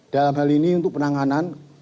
dalam hal ini untuk penanganan